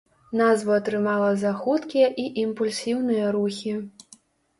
Назву атрымала за хуткія і імпульсіўныя рухі.